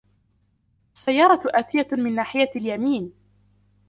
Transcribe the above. السيارة آتيه من ناحية اليمين.